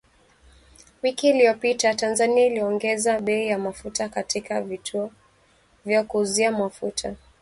Wiki iliyopita, Tanzania iliongeza bei ya mafuta katika vituo vya kuuzia mafuta